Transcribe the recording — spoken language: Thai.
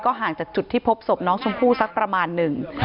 ห่างจากจุดที่พบศพน้องชมพู่สักประมาณหนึ่ง